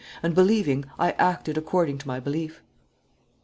And, believing, I acted according to my belief."